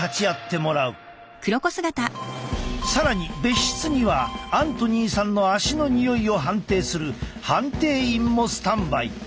更に別室にはアントニーさんの足のにおいを判定する判定員もスタンバイ。